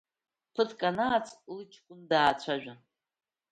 Ԥыҭк анааҵ, лыҷкәын даацәажәан…